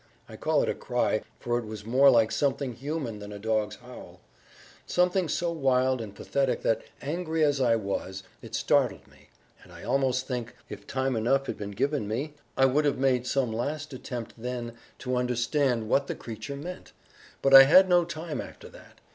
I call it a cry, for it was more like something human than a dog's howl, something so wild and pathetic that, angry as I was, it startled me, and I almost think, if time enough had been given me, I would have made some last attempt then to understand what the creature meant; but I had no time after that.